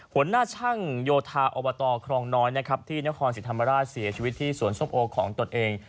หัวหน้าช่างโยธาอบตครองน้อยนะครับที่นครศรีธรรมราชเสียชีวิตที่สวนส้มโอของตนเอง